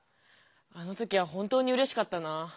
あの時は本当にうれしかったなぁ。